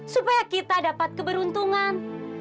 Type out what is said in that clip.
supaya kita dapat keberuntungan